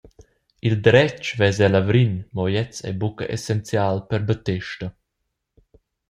Il dretg vess el a Vrin, mo gliez ei buca essenzial per Battesta.